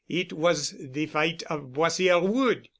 It was the fight of Boissière Wood.